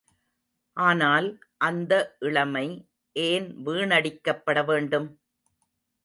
ஆனால், அந்த இளமை ஏன் வீணடிக்கப்பட வேண்டும்?